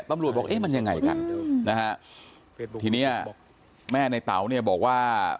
บอกเอ๊ะมันยังไงกันนะฮะทีเนี้ยแม่ในเต๋าเนี่ยบอกว่า